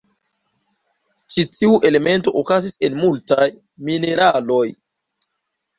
Ĉi tiu elemento okazis en multaj mineraloj.